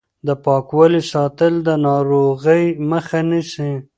د پاکوالي ساتل د ناروغۍ مخه نیسي.